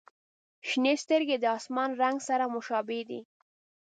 • شنې سترګې د آسمان رنګ سره مشابه دي.